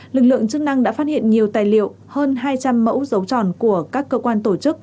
lực lượng chức năng đã phát hiện nhiều tài liệu hơn hai trăm linh mẫu dấu tròn của các cơ quan tổ chức